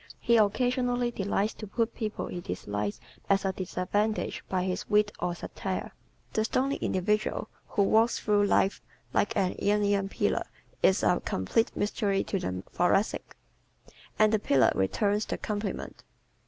He occasionally delights to put people he dislikes at a disadvantage by his wit or satire. The stony individual who walks through life like an Ionian pillar is a complete mystery to the Thoracic; and the pillar returns the compliment.